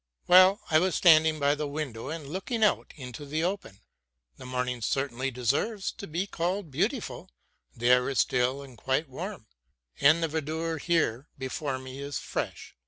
Well, I was standing by the window and looking out into the open; the morning certainly deserves to be called beautiful, the air is still and quite warm, and the verdure here before me is fresh.